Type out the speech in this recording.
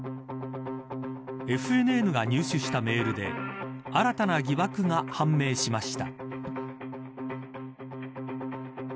ＦＮＮが入手したメールで新たな疑惑が判明しました。